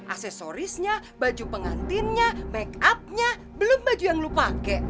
aksesorisnya baju pengantinnya make up nya belum baju yang lu pakai